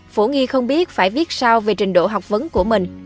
phổ nghi không biết phải viết sao về trình độ học vấn của mình